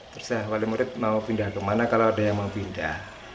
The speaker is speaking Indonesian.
terus wali murid mau pindah kemana kalau ada yang mau pindah